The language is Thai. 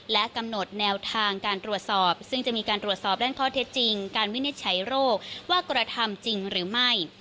และกำหนดแนวทางการตรวจสอบซึ่งจะมีการตรวจสอบด้านข้อเท็จจริงการวินิจฉัยโรคว่ากระทำจริงหรือไม่